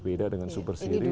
beda dengan super series